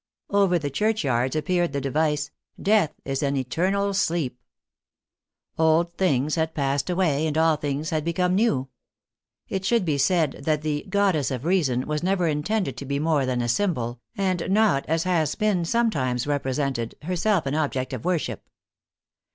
Over the churchyards ap peared the device, " Death is an eternal sleep." Old things had passed away, and all things had become new. It should be said that the " Goddess of Reason " was never intended to be more than a symbol, and not as has been sometimes represented, herself an object of worship.